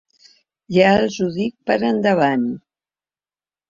Ja els ho dic per endavant.